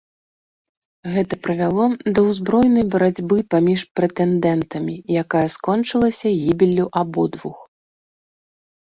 Гэта прывяло да ўзброенай барацьбы паміж прэтэндэнтамі, якая скончылася гібеллю абодвух.